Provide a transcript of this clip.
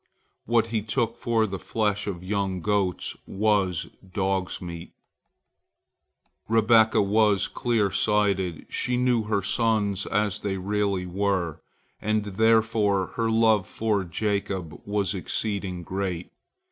What he took for the flesh of young goats was dog's meat. Rebekah was more clear sighted. She knew her sons as they really were, and therefore her love for Jacob was exceeding great.